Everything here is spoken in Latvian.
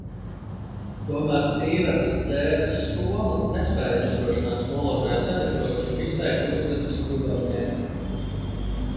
Tomēr Cīravas – Dzērves skola nespēja nodrošināt skolotāju sagatavošanu visai Kurzemes guberņai.